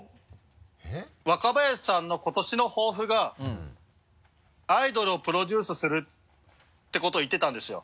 若林さんの今年の抱負がアイドルをプロデュースするってことを言ってたんですよ。